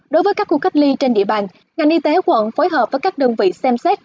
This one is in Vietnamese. đối với các khu cách ly trên địa bàn ngành y tế quận phối hợp với các đơn vị xem xét